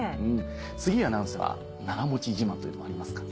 杉上アナウンサー長持ち自慢というのはありますか？